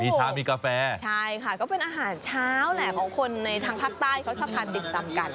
มีเช้ามีกาแฟใช่ค่ะก็เป็นอาหารเช้าแหละของคนในทางภาคใต้เขาชอบทานติ่มซำกัน